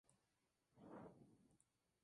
Finalmente decidió no presentarse.